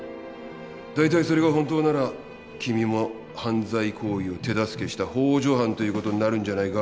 大体それが本当なら君も犯罪行為を手助けしたほう助犯ということになるんじゃないか？